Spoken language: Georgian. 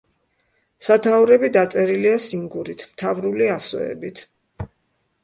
სათაურები დაწერილია სინგურით, მთავრული ასოებით.